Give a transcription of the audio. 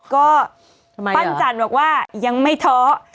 ก็ปั้นจันทร์บอกว่ายังไม่ท้อ